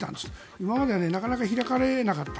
今まではなかなか開かれなかった。